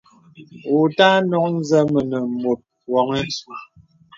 Wɔ ùtà nɔk nzə mənə mùt wɔŋ.